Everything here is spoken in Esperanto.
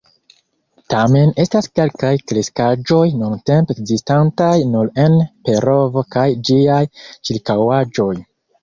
Tamen estas kelkaj kreskaĵoj nuntempe ekzistantaj nur en Perovo kaj ĝiaj ĉirkaŭaĵoj.